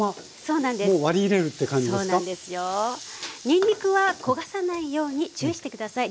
にんにくは焦がさないように注意して下さい。